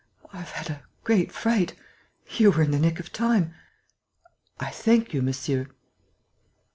I have had a great fright.... You were in the nick of time.... I thank you, monsieur."